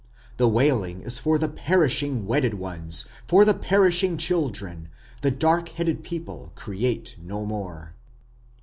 The wailing is for the perishing wedded ones; for the perishing children; the dark headed people create no more.